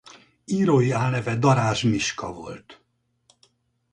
Írói álneve Darázs Miska volt.